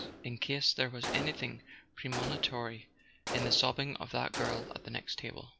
in case there was anything premonitory in the sobbing of that girl at the next table.